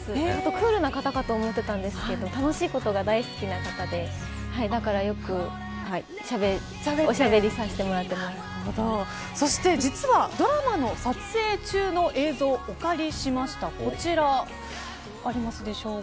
クールな方だと思ってたんですけど楽しいことが大好きな方でだからよくおしゃべりさせてそして実は、ドラマの撮影中の映像をお借りしました。